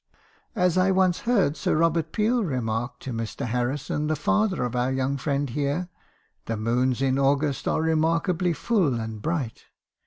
"' As I once heard Sir Robert Peel remark to Mr. Harrison, the father of our young friend here — The moons in August are remarkably full and bright.'